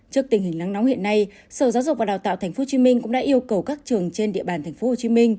trước tình hình nắng nóng hiện nay sở giáo dục và đào tạo tp hcm cũng đã yêu cầu các trường trên địa bàn tp hcm